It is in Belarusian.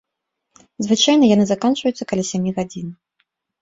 Звычайна яны заканчваюцца каля сямі гадзін.